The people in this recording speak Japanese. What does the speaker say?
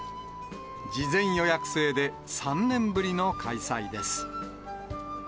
事前予約制で３年ぶりの開催です。